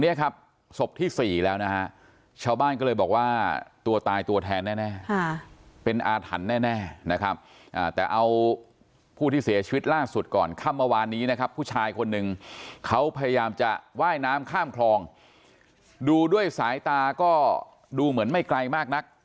เนี่ยครับศพที่สี่แล้วนะฮะชาวบ้านก็เลยบอกว่าตัวตายตัวแทนแน่เป็นอาถรรพ์แน่นะครับแต่เอาผู้ที่เสียชีวิตล่าสุดก่อนค่ำเมื่อวานนี้นะครับผู้ชายคนหนึ่งเขาพยายามจะว่ายน้ำข้ามคลองดูด้วยสายตาก็ดูเหมือนไม่ไกลมากนัก